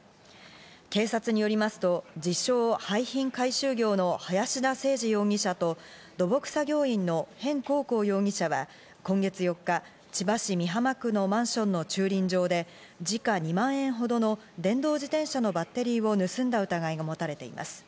警察によりますと自称・廃品回収業の林田清司容疑者と土木作業員の辺紅光容疑者は今月４日、千葉市美浜区のマンションの駐輪場で、時価２万円ほどの電動自転車のバッテリーを盗んだ疑いが持たれています。